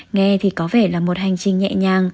nghe thì có vẻ là một hành trình nhẹ nhàng